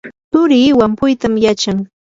turii wampuytam yachan.